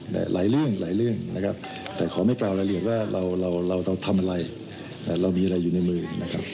หลายเรื่องแต่ขอให้กล่าวรายละเอียดว่าเราทำอะไรเรามีอะไรอยู่ในมือ